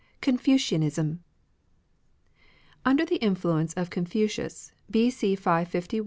— Confucianism Under the influence of Confucius, cSfus/ B.